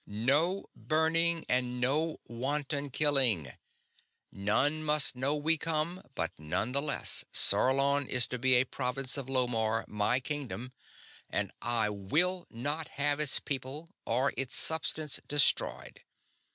"NO BURNING AND NO WANTON KILLING! None must know we come, but nonetheless Sarlon is to be a province of Lomarr my kingdom and I will not have its people or its substance destroyed!